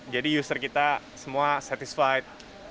jadi user kita semua satisfied